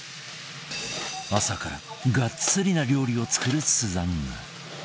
朝からガッツリな料理を作るスザンヌ